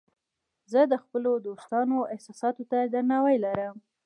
زه د خپلو دوستانو احساساتو ته درناوی لرم.